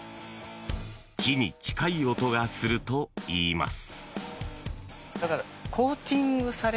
木に近い音がするといいます。